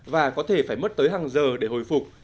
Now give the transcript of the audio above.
và có thể phải mất tới hàng giờ để hồi phục